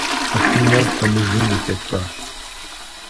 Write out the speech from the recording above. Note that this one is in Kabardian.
Машинэр лъэмыжым ехуэхащ.